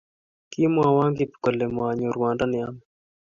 Kimwowo Kip kole manyor ruondo neyame